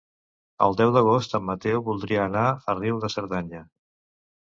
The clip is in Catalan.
El deu d'agost en Mateu voldria anar a Riu de Cerdanya.